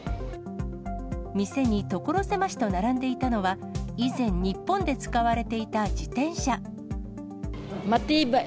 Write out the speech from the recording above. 店に所狭しと並んでいたのは、以前、日本で使われていた自転車。